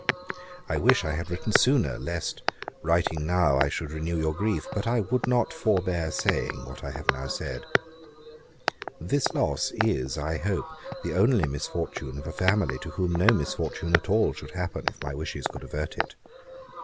'I wish I had written sooner, lest, writing now, I should renew your grief; but I would not forbear saying what I have now said. 'This loss is, I hope, the only misfortune of a family to whom no misfortune at all should happen, if my wishes could avert it.